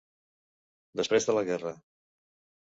Després de la guerra.